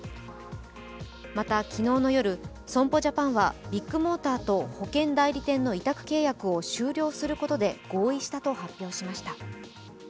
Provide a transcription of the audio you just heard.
また昨日の夜、損保ジャパンはビッグモーターと保険代理店の委託契約を終了することで合意したと発表しました。